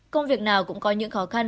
công việc nào cũng có những khó khăn